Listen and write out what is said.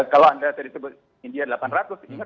kalau anda tadi sebut india delapan ratus ingat